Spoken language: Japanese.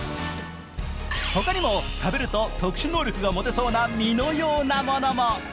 ほかにも食べると特殊能力が持てそうな実のようなものも。